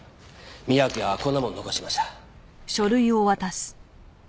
宮脇はこんなもん残してました。